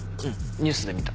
ニュースで見た。